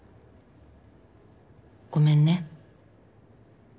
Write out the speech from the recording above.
ごめんね。